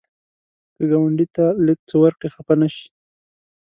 که ګاونډي ته لږ څه ورکړې، خفه نشي